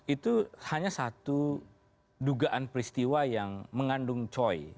itu hanya satu dugaan peristiwa yang mengandung coy